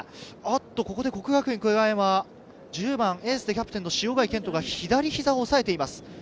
ここで國學院久我山、１０番、エースでキャプテンの塩貝健人が左膝を押さえています。